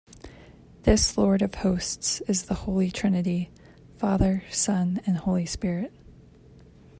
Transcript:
This Lord of Hosts is the Holy Trinity, Father, Son and Holy Spirit.